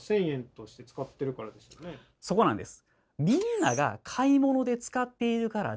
そこなんです！